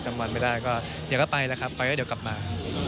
จำนวนไม่ได้ก็เดี๋ยวก็ไปไปแล้วเดี๋ยวกลับมา